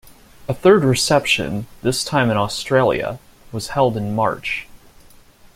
A third reception, this time in Australia, was held in March.